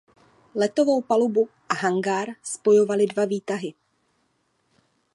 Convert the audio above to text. Letovou palubu a hangár spojovaly dva výtahy.